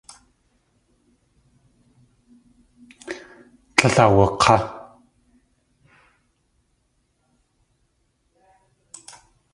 Tlél awuk̲á.